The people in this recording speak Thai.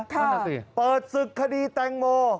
ค่ะนั่นแหละสิเปิดศึกคดีแตงโม